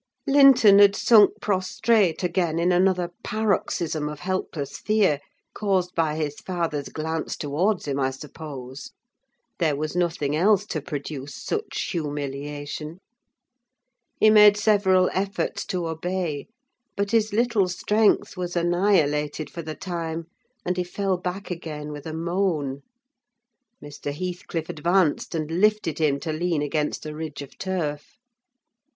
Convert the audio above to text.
Linton had sunk prostrate again in another paroxysm of helpless fear, caused by his father's glance towards him, I suppose: there was nothing else to produce such humiliation. He made several efforts to obey, but his little strength was annihilated for the time, and he fell back again with a moan. Mr. Heathcliff advanced, and lifted him to lean against a ridge of turf.